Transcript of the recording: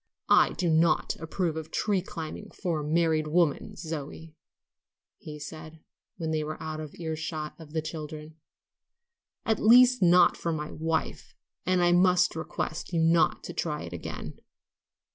"I do not approve of tree climbing for a married woman, Zoe," he said, when they were out of ear shot of the children; "at least, not for my wife; and I must request you not to try it again."